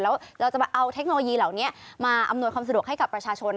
แล้วเราจะมาเอาเทคโนโลยีเหล่านี้มาอำนวยความสะดวกให้กับประชาชน